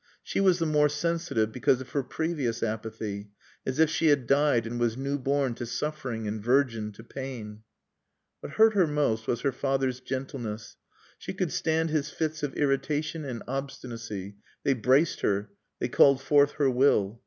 She was the more sensitive because of her previous apathy, as if she had died and was new born to suffering and virgin to pain. What hurt her most was her father's gentleness. She could stand his fits of irritation and obstinacy; they braced her, they called forth her will.